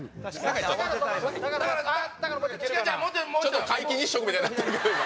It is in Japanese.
ちょっと皆既日食みたいになってるけど今。